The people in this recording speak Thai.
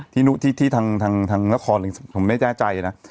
ที่ทางนครผมไม่แน่ใจนะ